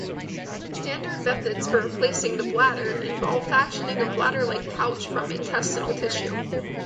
Standard methods for replacing the bladder involve fashioning a bladder-like pouch from intestinal tissue.